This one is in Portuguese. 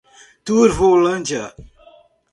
Turvolândia